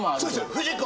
藤子